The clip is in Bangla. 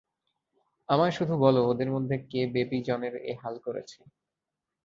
আমায় শুধু বলো, ওদের মধ্যে কে বেবি জনের এ হাল করেছে?